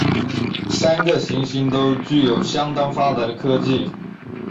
三个行星都具有相当发达的科技。